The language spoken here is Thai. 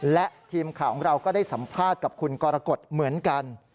และทีมข่าวของเราก็ได้สัมภาษณ์กับคุณกรกฎเหมือนกัน